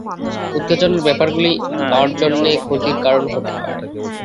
উত্তেজনার ব্যাপারগুলি তাঁর জন্যে ক্ষতির কারণ হতে পারে।